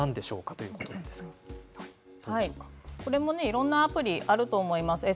いろんなアプリがあると思います。